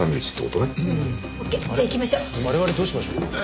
我々どうしましょう？